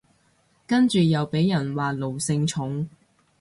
跟住又被人話奴性重